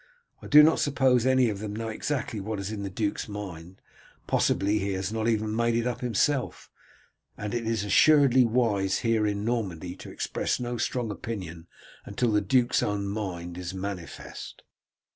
I do not suppose any of them know exactly what is in the duke's mind possibly he has not even made it up himself; and it is assuredly wise here in Normandy to express no strong opinion until the duke's own mind is manifest."